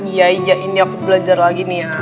iya iya ini aku belajar lagi nih ya